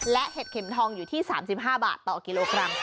และเห็ดเข็มทองอยู่ที่๓๕บาทต่อกิโลกรัม